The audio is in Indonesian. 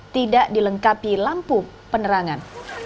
tidak dilengkapi lampu penerangan